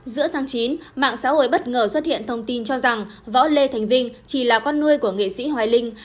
giữa tháng chín mạng xã hội bất ngờ xuất hiện thông tin cho rằng võ lê thành vinh chỉ là con nuôi của nghệ sĩ hoài linh